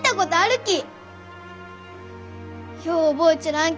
よう覚えちょらん